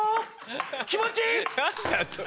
気持ちいい！